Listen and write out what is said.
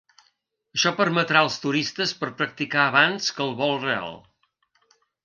Això permetrà als turistes per practicar abans que el vol real.